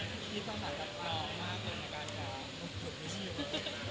แล้วก็มุมความความช่างหยุดในการสร้างแรงหนัง